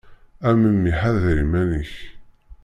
A memmi ḥader iman-ik.